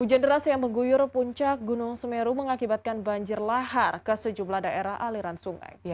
hujan deras yang mengguyur puncak gunung semeru mengakibatkan banjir lahar ke sejumlah daerah aliran sungai